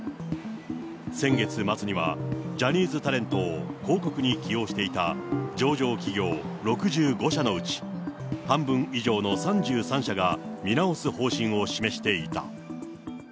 先月末にはジャニーズタレントを広告に起用していた上場企業６５社のうち半分以上の３３社が見直す方針を示していた。